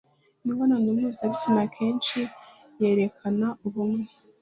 Imibonano mpuzabitsina akenshi yerekana ubumwe